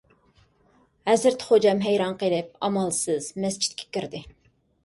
ھەزرىتى خوجام ھەيران قېلىپ، ئامالسىز مەسچىتكە كىردى.